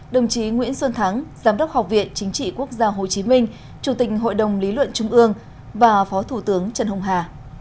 đồng chí nguyễn xuân thắng giám đốc học viện chính trị quốc gia hồ chí minh chủ tịch hội đồng lý luận trung ương và phó thủ tướng trần hùng hà